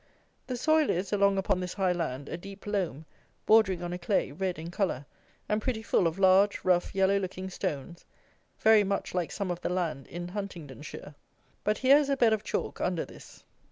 The soil is, along upon this high land, a deep loam, bordering on a clay, red in colour, and pretty full of large, rough, yellow looking stones, very much like some of the land in Huntingdonshire; but here is a bed of chalk under this.